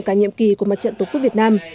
cả nhiệm kỳ của mặt trận tổ quốc việt nam